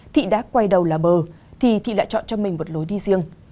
thị đã quay đầu là bờ thì thị lại chọn cho mình một lối đi riêng